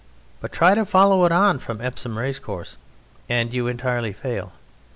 But try to follow it on from Epsom Racecourse, and you entirely fail.